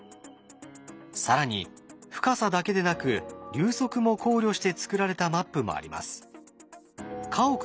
更に深さだけでなく流速も考慮して作られたマップもあります。